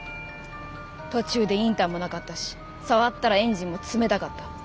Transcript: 途中でインターもなかったし触ったらエンジンも冷たかった。